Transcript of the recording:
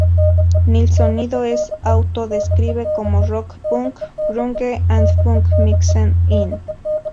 Nil sonido es auto-describe como "rock punk, grunge, and funk mixed in".